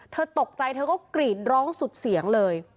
เธอตกใจเธอก็กรีดร้องสุดเสียงเลย